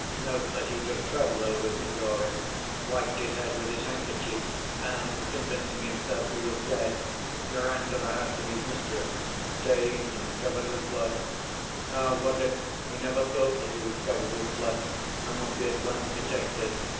Note that he took trouble over Grigory, wiped his head with his handkerchief and, convincing himself he was dead, he ran to the house of his mistress, dazed and covered with blood. How was it he never thought that he was covered with blood and would be at once detected?